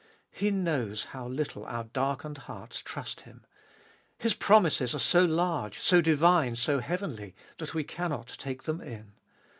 He knows how little our darkened hearts trust Him ; His promises are so large, so divine, so heavenly, that we cannot take them in.